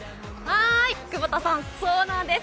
久保田さんそうなんです。